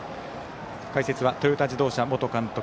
解説はトヨタ自動車元監督